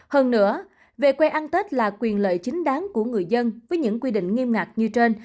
hơn nữa về quê ăn tết là quyền lợi chính đáng của người dân với những quy định nghiêm ngặt như trên